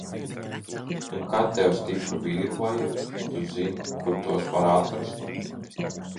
Un kad tev stipru vīru vajaga, tu zini, kur tos var atrast!